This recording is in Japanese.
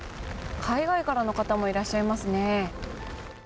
海外からの方もいらっしゃいますね。